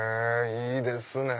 いいですね。